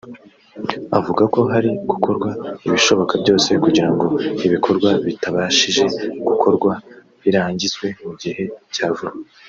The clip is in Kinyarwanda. avuga ko hari gukorwa ibishoboka byose kugira ngo ibikorwa bitabashije gukorwa birangizwe mu gihe cya vuba